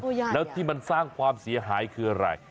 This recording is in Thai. ตัวใหญ่น่ะแล้วที่มันสร้างความเสียหายคืออะไร